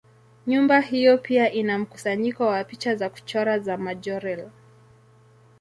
Nyumba hiyo pia ina mkusanyiko wa picha za kuchora za Majorelle.